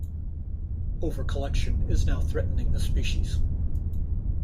Over-collection is now threatening the species.